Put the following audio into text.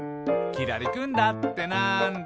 「きらりくんだってなんだ？」